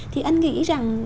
thì anh nghĩ rằng